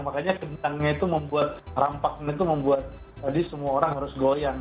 makanya kentangnya itu membuat rampaknya itu membuat tadi semua orang harus goyang